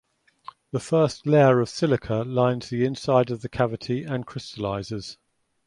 The first layer of silica lines the inside of the cavity and crystallizes.